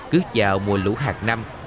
cứ vào mùa lũ hạt năm